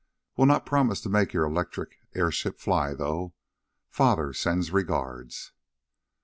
Will not promise to make your electric airship fly, though. Father sends regards."